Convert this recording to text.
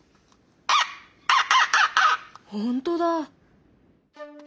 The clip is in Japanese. ほんとだ。